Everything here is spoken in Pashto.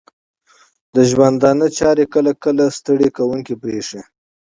د ژوندانه چارې کله کله ستړې کوونکې بریښې